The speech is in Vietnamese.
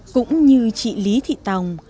cũng như chị lý thị tòng